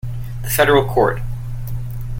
The federal court.